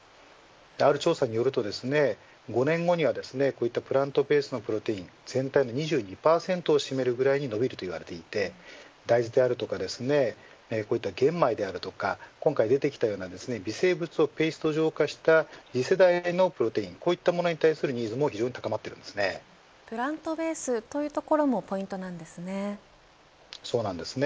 ある調査によるとですね５年後にはこういったプラントベースのプロテイン全体の２２％を占めるぐらいに伸びると言われていて大豆であるとかこういった玄米や今回出てきたような微生物をペースト状化した次世代へのプロテインのプラントベースというところもそうなんですね。